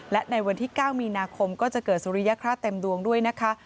และในวันที่๙มีนาคมก็จะเกิดสุริยคราชเต็มดวงด้วยนะคะ